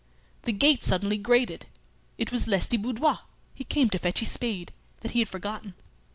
The gate suddenly grated. It was Lestiboudois; he came to fetch his spade, that he had forgotten.